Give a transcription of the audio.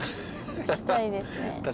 したいですね。